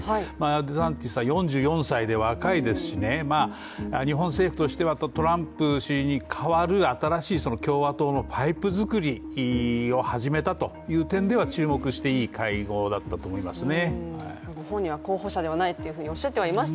デサンティスさん４４歳で若いですし日本政府としてはトランプ氏に代わる新しい共和党のパイプ作りを始めたという点では注目していい会合だったと思いますね。